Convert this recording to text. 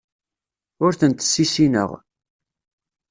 Ur tent-ssissineɣ.